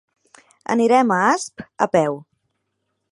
Anirem a Asp a peu.